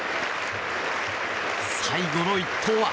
最後の１投は。